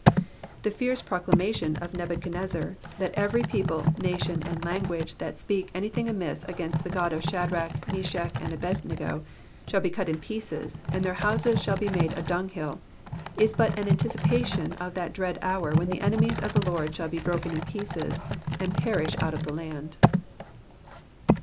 The fierce proclamation of Nebuchad nezzar, ^^ that every people, nation, and language, that speak anything amiss against the God of Shadrach, Meshach, and Abed nego, shall be cut in pieces, and their houses shall be made a dunghill," is but an anticipation of that dread hour when the enemies for the Lord shall be broken in pieces, and perish out of the land.